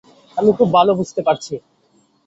আমি খুব ভালো বুঝতে পারছি।